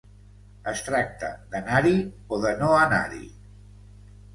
Es tracta d'anar-hi o de no anar-hi?